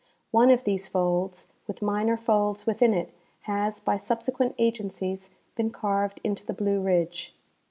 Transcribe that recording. One of these folds, with minor folds within it, has by subsequent agencies been carved into the Blue ridge.